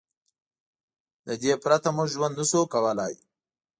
له دې پرته موږ ژوند نه شو کولی.